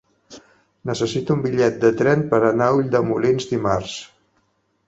Necessito un bitllet de tren per anar a Ulldemolins dimarts.